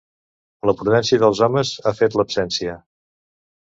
La prudència dels homes ha fet l'absència.